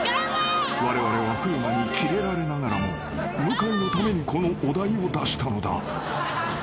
［われわれは風磨にキレられながらも向井のためにこのお題を出したのだ］